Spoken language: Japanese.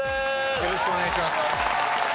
よろしくお願いします。